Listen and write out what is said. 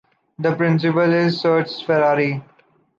The principal is Serge Ferrari.